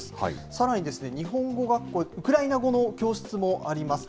さらに日本語学校、ウクライナ語の教室もあります。